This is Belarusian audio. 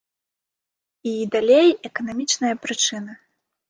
І, далей, эканамічныя прычыны.